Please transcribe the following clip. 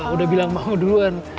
udah bilang mau duluan